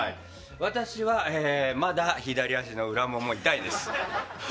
私はまだ左足の裏ももが痛いです。